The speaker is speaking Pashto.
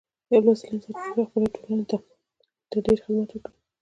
یو لوستی انسان کولی شي خپلې ټولنې ته ډیر خدمت وکړي.